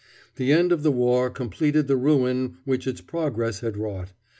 The end of the war completed the ruin which its progress had wrought.